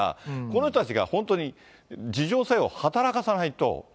この人たちが本当に自浄作用を働かさないと。